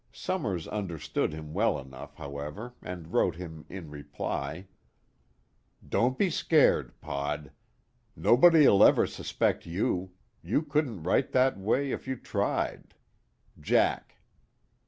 Summers understood him well enough, however, and wrote him in reply: "Don't be scared, Pod. Nobody'll ever suspect you. You couldn't write that way if you tried. JACK."